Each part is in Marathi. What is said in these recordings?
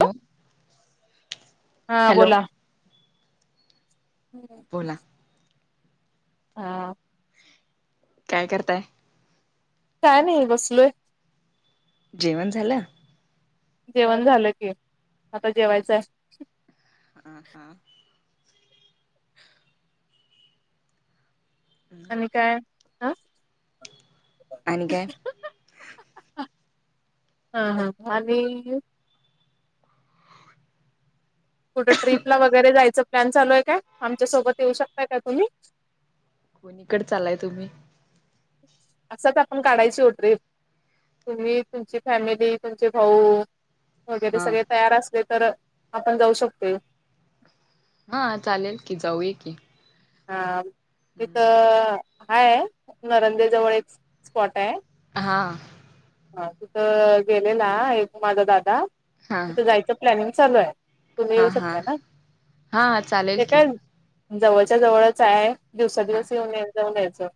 हॅलो! हा.. हॅलो बोला बोला हा काय करताय? काय नायी बसलोय जेवण झालं? जेवण झालं की आता जेवायचाय हं हं आणि काय? अ आणि काय? हा.. हा.. आणि कुठं ट्रिपला वगैरे जायचं प्लॅन चालूय काय? आमच्यासोबत येऊ शकताय का तुम्ही? कोणी कडं चाललाय तुम्ही? असंच आपण काढायचो ओ ट्रीप तुम्ही, तुमची फॅमिली तुमचे भाऊ वगैरे हा सगळे तयार असले तर.. आपण जाऊ शकतोय हा चालेल की, जाऊय की हा इथं हाय नरंदे जवळ एक स्पॉटाय हा हा तुथं गेलेला एक माझा दादा हा तिथं जायचं प्लॅनिंग चालूय तुम्ही येऊ हा हा शकता ना? हा ते चालेल की काय जवळच्या जवळचाय, दिवसा हा दिवस येऊन जाऊन यायचं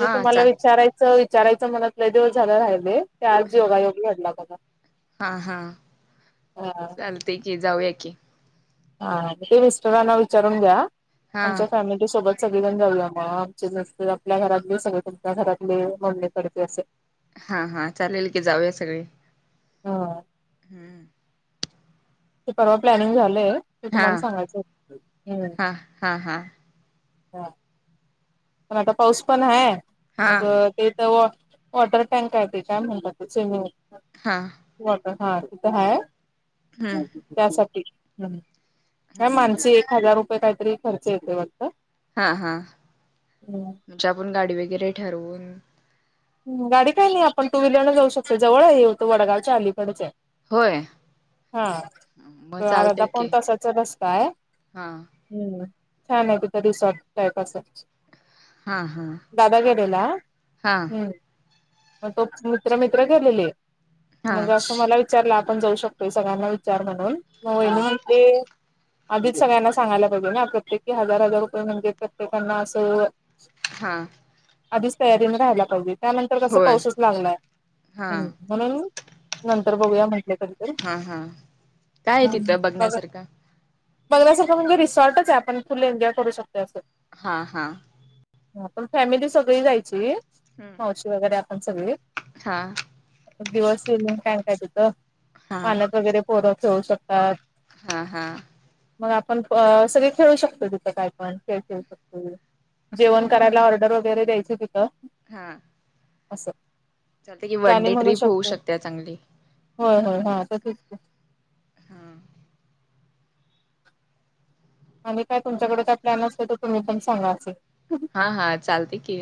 ते तुम्हाला चाल विचारायचं विचारायचं म्हणत लय दिवस राहिले ते आज योगायोग येड लागलाय हा हा हा चालतय की जाऊया की हा ते मिस्टरांना विचारून घ्या. हा आमच्या फॅमिली सोबत सगळीजण जाऊया म आमचे जास्त आपल्या घरातले सगळे तुमच्या घरातले, मम्मी कडचे असे हा हा चालेल की जाऊया संगळे हं हम्म ते परवा प्लॅनिंग झालंय ते तुम्हाला सांगायचय हम् हा हा हा हा पण आता पाऊस पण हाय. हा मग ते तर व वॉटर टँकय त्याच्या ते काय म्हणतात ते स्विमिंग हा वाॅटर हा तिथं हाय, हम्म त्यासाठी हम्म माणसी एक हजार रुपये काहीतरी खर्च येतोय वाटत हा हा हम् म्हणजे आपण गाडी वगैरे ठरवू. गाडी काही नाही आपण टू व्हीलर न जाऊ शकतो जवळ ये होतं वडगावच्या अलीकडच आहे. होय हा मग तर अर्धा चालतय की पाऊण तासाचा रस्ताय. हा हम्म छान आहे तिथं रिसॉर्ट टाईप अस. हा हा चाल हा हम्म मग तो मित्र मित्र गेलेले हा मग असं मला विचारला आपण जाऊ शकतोय सगळ्यांना विचार म्हणून मग हा वहीणी म्हटली आधीच सगळ्यांना सांगायला पाहिजे ना प्रत्येक क हजार हजार रुपये म्हणजे प्रत्येकांना असं हा आधीच तयारीने राहायला पाहिजे त्यानंतर कसं होय पाऊसच लागलाय. हा म्हणून नंतर बघूया म्हटलं तरी हा हा काय आहे तिथं बघण्यासारखं. बघला सगखं म्हणजे रिसॉर्टच आहे आपण फुल एन्जॉय करू शकतो असं. हां हां. हा पण फॅमिली सगळी जायची. हम मावशी वगैरे आपण सगळी. हा दिवस स्विमिंग टँक आहे तिथं पाण्यात वगैरे पोरं ठेवू शकतात. हा हा मग आपण सगळे खेळू शकतो तिथं काय पण खेळ खेळू शकतो. हा जेवण करायला ऑर्डर वगैरे द्यायच तिथं. हां अस गाणी डे म्हणू ट्रिप होऊ शकतो शकते चांगली होय होय हा त तेसच. हा आणि काय तुमच्याकडे काय प्लॅन असतो तो तुम्ही पण सांगा असं. हा हा चालतंय की.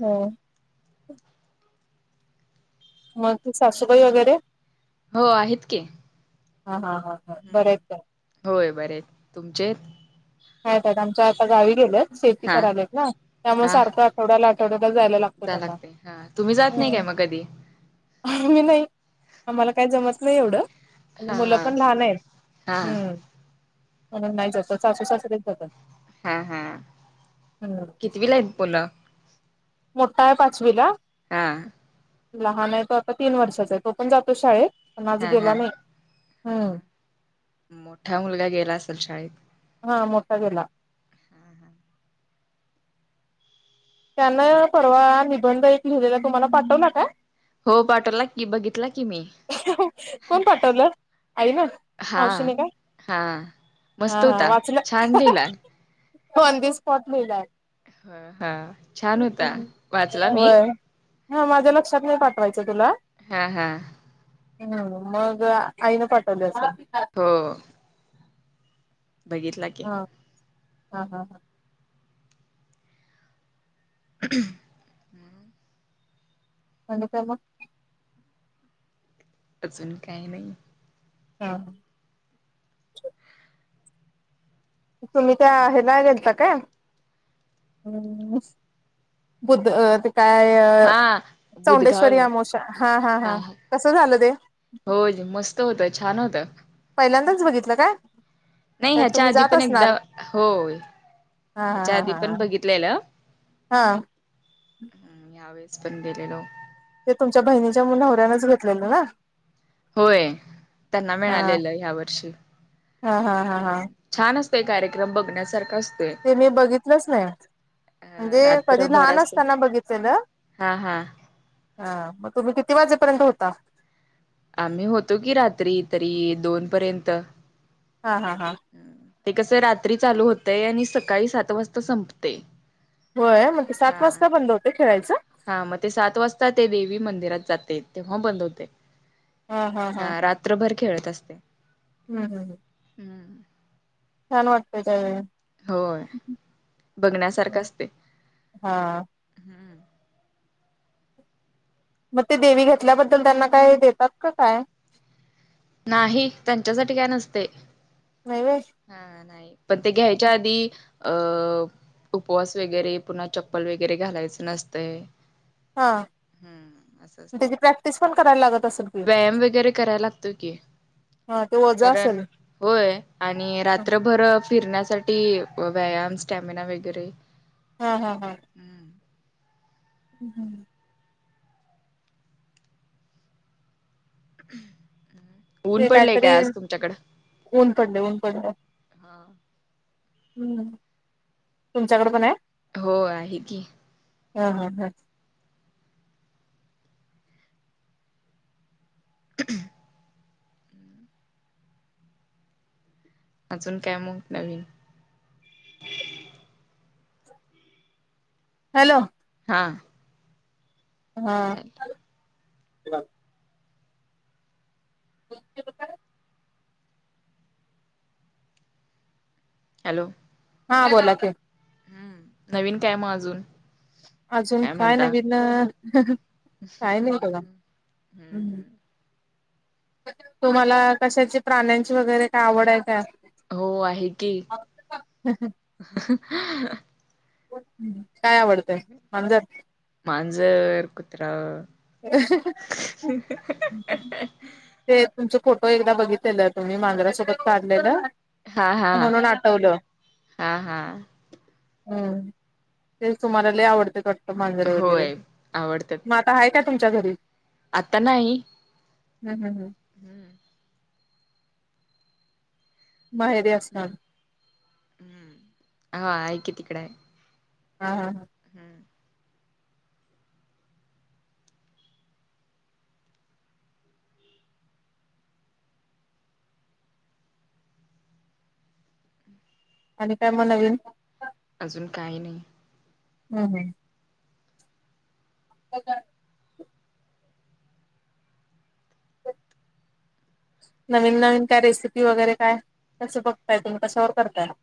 हो म त सासूबाई वगैरे. हो आहेत‌ की. हा हा हा. हम्म होय बरं आहेत तुमचे. मा आहेत आमच्या आता गावी गेलेत शेती हा करालेत ना त्यामुळे हा सारखं आठवड्याला आठवड्याला जायला लागत जा लागते हा तुम्ही जात नाही काय मग कधी. आम्ही नाही आम्हाला काय जमत नाही एवढं. हा मुलं पण लहान आहेत हा हम्म. म्हणून नाही जात सासू-सासरेच जातात. हा हा हम्म कितवीला आहेत मुलं? मोठा आहे पाचवीला. हा लहान आहे तो आता तीन वर्षाचा आहे तो पण जातो शाळेत पण आज हा हा गेला नाही, हा हम्म हा मोठा मुलगा गेला असेल शाळेत? हा मोठा गेला त्यान परवा निबंध एक लिहिलेला तुम्हाला पाठवला काय? हो पाठवला की बघितला की मी. कोण पाठवलं आई ना हा मावशीने काय हा हा मस्त हा होता, वाचलं छान लिहिला. ऑन द स्पॉट लिहिलंय. ह हा छान होता वाचला मी. होय हा माझ्या लक्षात नाही पाठवायचं तुला. हा हा! ! ! हम् मग आईन पाठवले होते. हो! बघितलाकी! हा हा हां! हम्! झाली काम! अजून काही नाही! हा! तुम्ही त्या गेलता काय? हम्म बुध अ ते! काय हा बुधगाव चौंडेश्वरी अमावास्या हा हा हा कसं झालं ते! हो मस्त होतं छान होतं! पहिल्यांदाच बघितलं काय? नाही, तर तुम्ही ह्याच्याआधी जात पण एकदा असणार होय! हा हा हा ह्याच्याआधी हा पण हा बघितलेलं! हा यावेेळेस पण गेलेलो! ते तुमच्या बहिणीच्या नवऱ्यानच घेतलेलं ना? होय, त्यांना हा मिळालेलं ह्या वर्षी हा हा हा हा छान असतोय कार्यक्रम बघण्यासारखा असतो. ते मी बघितलंच नाही. म्हणजे अ कधी रात्रभर लहान असते असताना बघितलेल. हा हा हा मग तुम्ही किती वाजेपर्यंत होता? आम्ही होतो की रात्री तरी दोन पर्यंत हा हा हा ते कसं रात्री चालू होतय आणि सकाळी सात वाजता संपते. होय, मग ते सात हा वाजता बंद होते खेळायचं. हा मग ते सात वाजता ते देवी मंदिरात जाते तेव्हा बंद होते. हा रात्रभर खेळत असते. हम् हम ह हम्म छान वाटत आहे. होय बघण्यासारखं असते. हा! ! ! ! हम्म! ! ! ! मग ते देवी घेतल्याबद्दल त्यांना काय देतात का काय? नाही त्यांच्यासाठी काय नसते. नैवेश. हा नाही पण ते घ्यायच्या आधी अ उपवास वगैरे पुन्हा चप्पल वगैरे घालायचं नसतं. हा ह असच ते त्याची प्रॅक्टिस पण करायला लागत असेल की व्यायाम वगैरे कराय लाग. हा ते ओझ कारण असेल होय आणि रात्रभर फिरण्यासाठी व्यायाम स्टॅमिना वगैरे हा हा हा हम्म ह् हम हम् ते काहीतरी ऊन पडले ऊन पडले. हा ह् तुमच्याकडे पण आहे. हो आहे की? हा हा हा [inaudible] अजून काय मग नवीन? हॅलो. हा. हा. हॅ [unintelligible] हॅलो. हा बोला की. हम्म. नवीन काय म अजून? अजून काय नवीन? काय हम्. नाही बघा. ह. हम्म हम्म. तुम्हाला कशाची प्राण्यांची वगैरे काय आवड आहे का? हो आहे की. काय आवडतंय मांजर? मांजर, कुत्रा. [inaudible] ते तुमचे फोटो एकदा बघितलेले. तुम्ही मांजरासोबत काढले ना? हा हा म्हणून आठवलं. हा हा हम्म. तेच तुमाला लई आवडत क- मांजर वगैरे. होय मग आता आहे का तुमच्या घरी? आत्ता नाही. हम हम हं. हम्म. म हे द्या. म. हम्. हो आहे की तिकडे आहे. हा हां हा. हम्म. आणि काय म नवीन? अजून काही नाही. हम् हम. [unintelligible] नवीन नवीन काय रेसिपी वगैरे काय? कसं बघताय? तुम्ही कशावर करताय?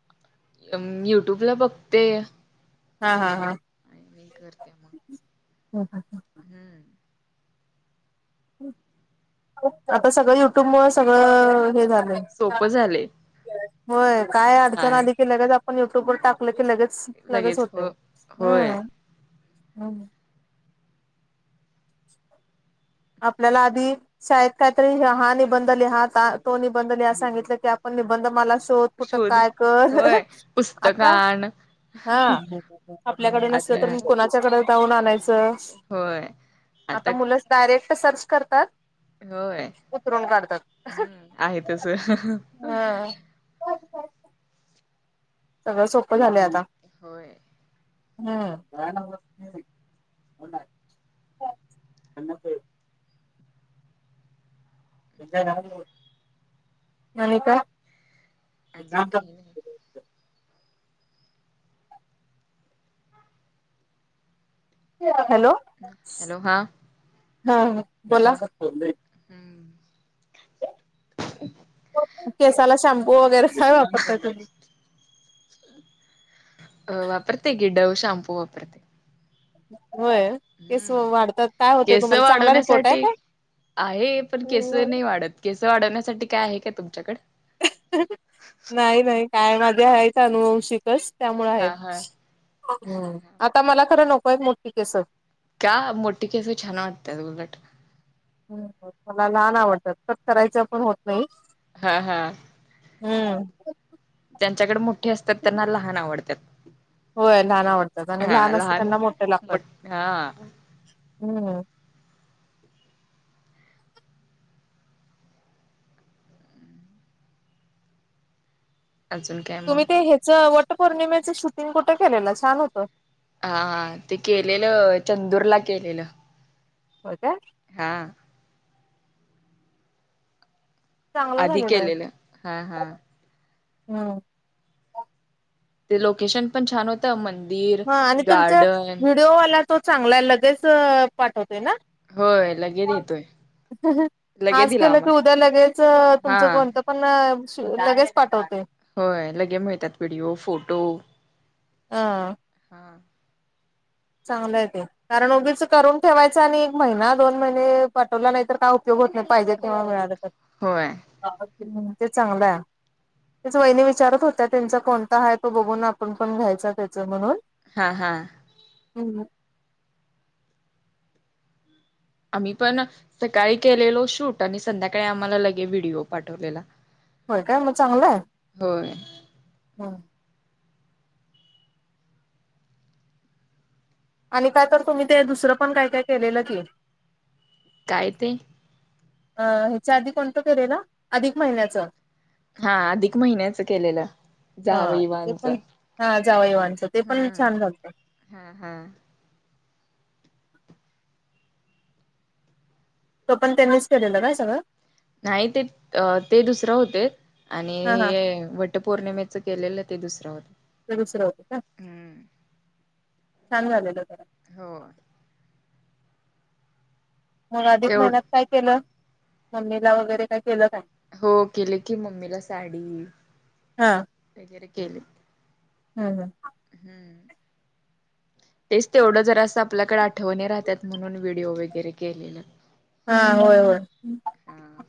अं. युट्यूबला बघते. हा हा हा. आणि मी करते मग. ह ह ह. हम्म. आता सगळं, युट्युब मुळे सगळं हे झालंय. सोपं झाले होय. काय अडचण हा आली की, लगेच आपण युट्यूब वर टाकल की लगेच. लगेच होतय. हो होय हम्म हम्म. आपल्याला आधी- शाळेत काहीतरी, हा निबंध लिहा तो निबंध लिहा सांगितलं की आपण निबंधमाला- तो कुठं शोध काय कर होय आता? पुस्तकान हा. आपल्याकडे नसलं तर आता म कोणा- त्याच्याकडे जाऊन आणायचं. होय आता मुलंच डायरेक्ट सर्च करतात. होय उतरवून काढतात. हम्म आहे तस हम. सगळं सोप्प झालंय आता. होय. हम्. [unintelligible] [unintelligible] अनिका अजून काही नाही हॅलो हम्म हॅलो हा हा बोला हम्म. केसाला शॅम्पू वगैरे काय वापरताय तुम्ही. अ वापरते की डव शॅम्पू वापरते. होय केस हम्म. वाढतात काय होतय केस तुम्हाला चांगला रिपोर्ट आहे वाढवण्यासाठी काय आहे पण केस नाही वाढत केस वाढवण्यासाठी काय आहे का तुमच्याकड नाही नाही काय माझे आहेत अनुवंशिकच त्यामुळे आहेत हा हा हम्म आता मला खरं नको आहेत मोठी केस का मोठी केस छान वाटत्यात उलट. हम्म मला लहान आवडतात कट करायचं पण होत नाही. हा हा. हम्म ज्यांच्याकड मोठी असतात त्यांना लहान आवडतात. होय लहान आवडतात आणि लहान असतयं त्यांना मोठी लागतात मोठ हा. हम्म. अजून. काय मग तुम्ही ते ह्याचं वटपौर्णिमेच शूटिंग कुठं केलेलं छान होतं. हा ते केलेलं चंदूर ला केलेलं. होय काय हा. चांगलं आधी झालेलं केलेलं हा हा. हम्म ते लोकेशन पण छान होतं मंदिर गार्डन. देववाला तो चांगला लगेच पाठवतोय ना. होय लगे देतोय लगे आज दिला केलं की आम्हाला उद्या लगेच तुमच हा कोणत. पण लगेच पाठवतोय. होय लगे मिळतात व्हिडीओ, फोटो हा हा चांगलं आहे ते कारण उगीच करून ठेवायचं आणि एक महिना दोन महिने पाठवला नाहीतर काय उपयोग ते होत नाही पाहिजे तेव्हा मिळालं तर होय ते चांगलं आहे. तेच वहिनी विचारत होत्या त्यांचा कोणता हाय तो बघून आपण पण घ्यायचा त्याच म्हणून. हा हा. हम्म आम्ही पण सकाळी केलेलो शूट आणि संध्याकाळी आम्हाला लगे व्हिडिओ पाठवलेला होय काय मग चांगलंय होय हम्म आणि काय तर तुम्ही ते दुसरं पण काय काय केलेलं की काय ते अ ह्याच्या आधी कोणतं केलेल अधिक महिन्याच हा अधिक महिन्याच केलेलं हा ते पण जावईवांचं हा जावई वानच ते पण हम्म छान झालंत हा हा तो पण त्यांनीच केलेल काय सगळं नाही ते ते दुसरं होते आणि हा हा हे वटपौर्णिमेच केलेलं ते दुसरे होते ते दुसरे होते का छान झालेलं खरं हो मग अधिक तेवढ महिन्यात काय केलं मम्मीला वगैरे काय केलं काय हो केले की मम्मीला साडी हा वगैरे केले. हम्म हम्म तेच तेवढं जरा असं आपल्याकडे आठवणी राहतात म्हणून व्हिडिओ वगैरे केलेले. हा होय होय हा